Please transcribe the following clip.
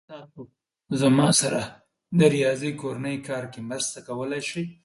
ایا تاسو زما سره زما د ریاضی کورنی کار کې مرسته کولی شئ؟